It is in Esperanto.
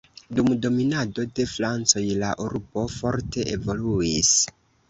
Dum dominado de francoj la urbo forte evoluis.